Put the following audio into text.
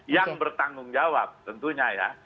yang bertanggung jawab tentunya ya